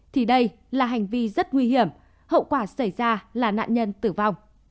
thì đây là hành vi rất nguy hiểm hậu quả xảy ra là nạn nhân tử vong